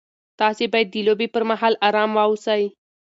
تاسي باید د لوبې پر مهال ارام واوسئ.